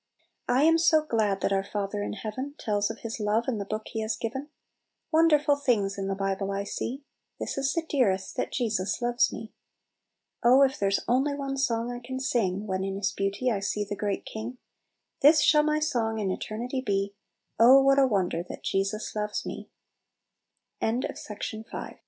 " "I am so glad that our Father in heaven Tells of His love in the book He has given, Wonderful things in the Bible I see; This is the dearest, that Jesus loves me. "Oh, if there's only one song I can sing When in His beauty I see the great King; This shall my song in eternity be, * Oh, what a wonde